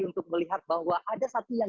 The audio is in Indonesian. untuk melihat bahwa ada satu yang